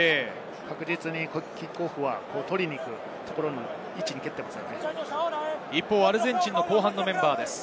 確実にキックオフは取りに行く位置に蹴っています。